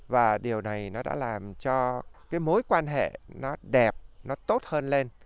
và điều này đã làm cho mối quan hệ đẹp tốt hơn lên